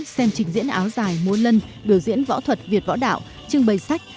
xem trình diễn áo dài múa lân biểu diễn võ thuật việt võ đạo trưng bày sách